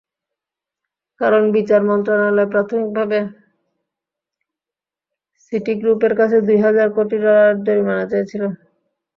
কারণ বিচার মন্ত্রণালয় প্রাথমিকভাবে সিটিগ্রুপের কাছে দুই হাজার কোটি ডলারের জরিমানা চেয়েছিল।